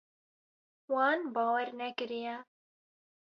Wan bawer nekiriye.